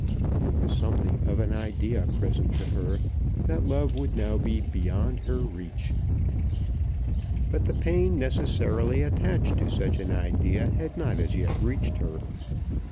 There was something of an idea present to her that love would now be beyond her reach. But the pain necessarily attached to such an idea had not as yet reached her.